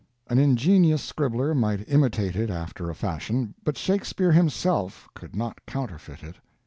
An ingenious scribbler might imitate it after a fashion, but Shakespeare himself could not counterfeit it.